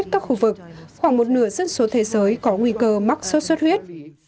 các khu vực khoảng một nửa dân số thế giới có nguy cơ mắc sốt xuất huyết